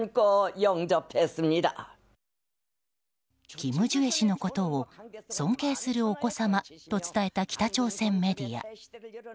キム・ジュエ氏のことを尊敬するお子様と伝えた北朝鮮メディア。